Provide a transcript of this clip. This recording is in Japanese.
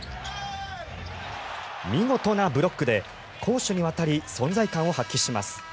見事なブロックで攻守にわたり存在感を発揮します。